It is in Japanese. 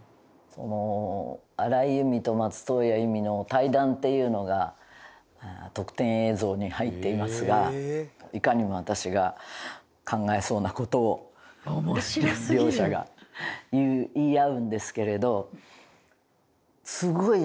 荒井由実と松任谷由実の対談っていうのが特典映像に入っていますがいかにも私が考えそうな事を両者が言い合うんですけれどすごいなんかねあの。